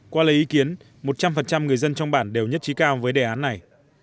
qua lấy ý kiến một trăm linh người dân trong bản đều nhất trí cao với đề án này